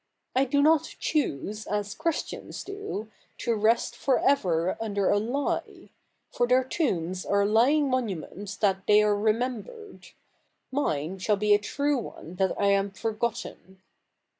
I do not choose, as Christians do, to rest for ever under a lie ; for their tombs are lying monuments that they are remembered ; mine shall be a true one that I am forgotten.